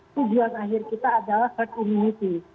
tujuan akhir kita adalah herd immunity